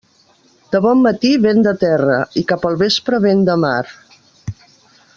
De bon matí vent de terra i cap al vespre vent de mar.